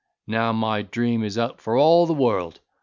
now my dream is out for all the world.